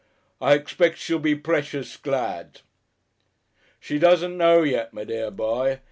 "I expect she'll be precious glad." "She doesn't know yet, my dear boy.